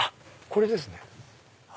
これですね。